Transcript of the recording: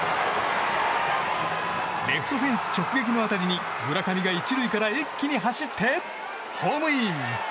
レフトフェンス直撃の当たりに村上が１塁から一気に走ってホームイン！